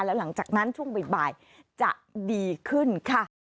แล้วหลังจากนั้นช่วงบ่ายจะดีขึ้นค่ะ